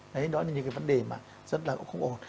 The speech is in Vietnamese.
đấy đó là những cái vấn đề mà rất là không ổn